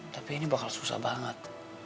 tapi ini bakal susah banget